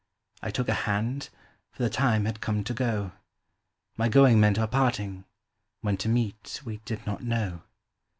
" I took her hand, for the time had come to go. My going meant our parting, when to meet, we did not know.